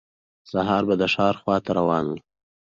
سهار به د ښار خواته روان و.